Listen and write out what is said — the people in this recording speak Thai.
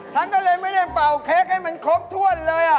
ฉันก็เลยไม่ได้เป่าเค้กให้มันครบถ้วนเลย